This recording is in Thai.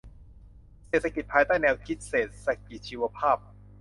เศรษฐกิจภายใต้แนวคิดเศรษฐกิจชีวภาพ